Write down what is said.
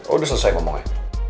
oh udah selesai ngomongnya